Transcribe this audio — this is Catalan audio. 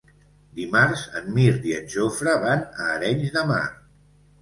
Dimarts en Mirt i en Jofre van a Arenys de Mar.